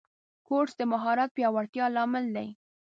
کورس د مهارت پیاوړتیا لامل دی.